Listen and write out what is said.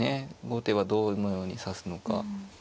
後手はどのように指すのか。